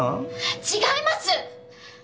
違います！